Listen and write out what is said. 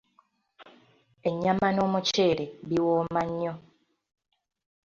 Ennyama n'omuceere biwooma nnyo.